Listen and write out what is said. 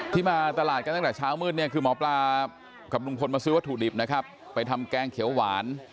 ที่มาตลาดกันตั้งแต่เช้ามืดเนี่ยคือหมอปลากับลุงพลมาซื้อวัตถุดิบนะครับไปทำแกงเขียวหวาน